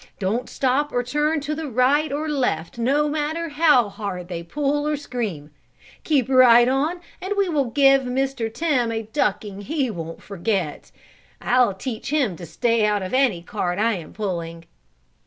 Don't stop or turn to right or left no matter how hard they pull or scream. Keep right on and we will give Mr. Tim a ducking he won't forget. I'll teach him to stay out of any cart I am pulling!"